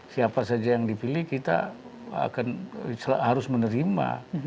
siapa saja yang dipilih kita akan harus menerima